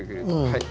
はい。